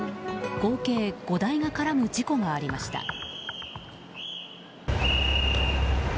合計５台が絡む事故がありました。